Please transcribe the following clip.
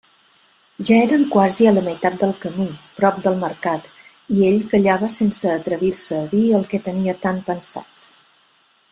Ja eren quasi a la meitat del camí, prop del Mercat, i ell callava sense atrevir-se a dir el que tenia tan pensat.